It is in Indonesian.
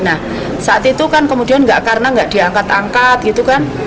nah saat itu kan kemudian karena nggak diangkat angkat gitu kan